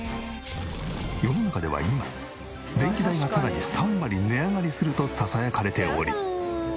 世の中では今電気代がさらに３割値上がりするとささやかれており。